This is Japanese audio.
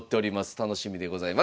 楽しみでございます。